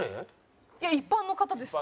いや一般の方です。